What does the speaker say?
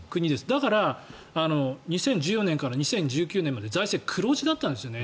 だから、２０１４年から２０１９年まで財政黒字だったんですよね。